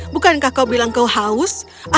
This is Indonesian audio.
bukankah kau bilang kau haus